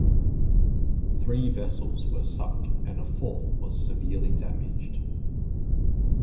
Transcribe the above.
Three vessels were sunk and a fourth was severely damaged.